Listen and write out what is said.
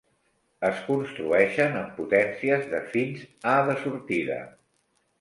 Es construeixen amb potències de fins a de sortida.